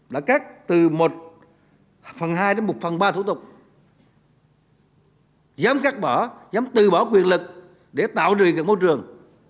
đã cắt từ một phần hai đến một phần ba thủ tục dám cắt bỏ dám từ bỏ quyền lực để tạo điều kiện môi trường